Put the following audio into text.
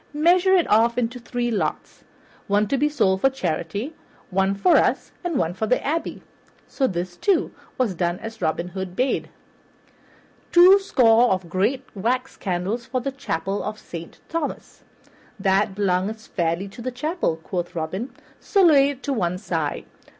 Measure it off into three lots, one to be sold for charity, one for us, and one for the abbey." So this, too, was done as Robin Hood bade. "Twoscore of great wax candles for the Chapel of Saint Thomas." "That belongeth fairly to the chapel," quoth Robin, "so lay it to one side.